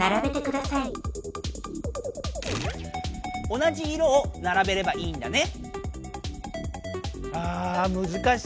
同じ色をならべればいいんだね。